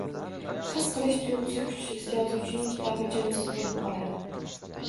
His qilish tuyg‘usi kuchsiz yozuvchining kitobi jonsiz bo‘lib qoladi.